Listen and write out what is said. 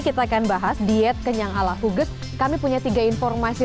kita akan bahas diet kenyang ala huget kami punya tiga informasi